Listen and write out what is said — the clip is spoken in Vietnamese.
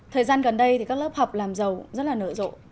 thời gian gần đây các lớp học làm giàu rất là nở rộ